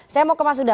saya mau ke mas huda